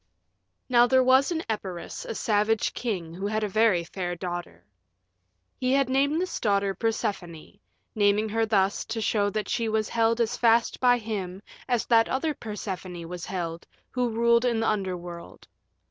Now there was in Epirus a savage king who had a very fair daughter. He had named this daughter Persephone, naming her thus to show that she was held as fast by him as that other Persephone was held who ruled in the Underworld.